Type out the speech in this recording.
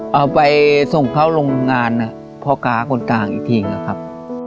เอาไปส่งเข้าโรงงานพ่อค้าคนกลางอีกทีนะครับ